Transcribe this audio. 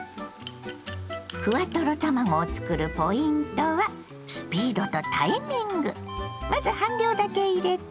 ふわトロ卵を作るポイントはスピードとタイミング。